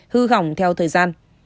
hư hỏng theo thời gian